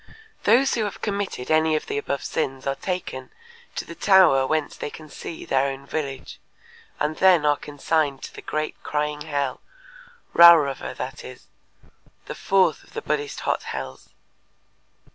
Those who have committed any of the above sins are taken, to the tower whence they can see their own village and then are consigned to the great crying hell, Râurava, that is, the fourth of the Buddhist hot hells.